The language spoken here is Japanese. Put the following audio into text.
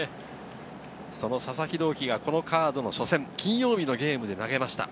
佐々木朗希がこのカードの初戦、金曜日のゲームで投げました。